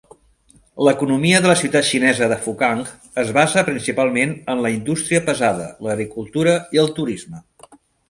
L'economia de la ciutat xinesa de Fukang es basa principalment en la indústria pesada, l'agricultura i el turisme.